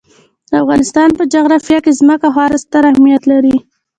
د افغانستان په جغرافیه کې ځمکه خورا ستر اهمیت لري.